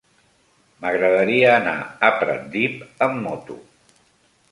M'agradaria anar a Pratdip amb moto.